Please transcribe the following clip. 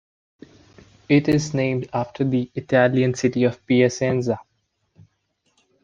It is named after the Italian city of Piacenza.